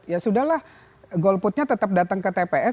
ya sudah lah golputnya tetap datang ke tps